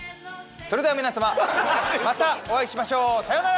それでは皆様またお会いしましょう。さようなら！